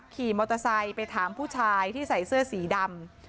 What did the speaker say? ขี่มอเตอร์ไซค์ไปถามผู้ชายที่ใส่เสื้อสีดำ